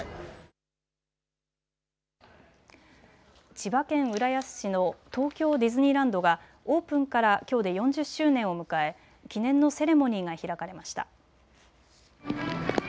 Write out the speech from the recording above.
千葉県浦安市の東京ディズニーランドがオープンからきょうで４０周年を迎え記念のセレモニーが開かれました。